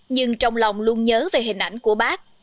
nhưng trong lòng luôn nhớ về hình ảnh của bác